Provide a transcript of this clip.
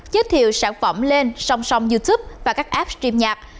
giới thiệu sản phẩm lên song song youtube và các app stream nhạc